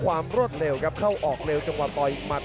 ขวางแขงขวาเจอเททิ้ง